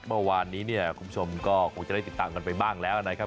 เมื่อวานนี้เนี่ยคุณผู้ชมก็คงจะได้ติดตามกันไปบ้างแล้วนะครับ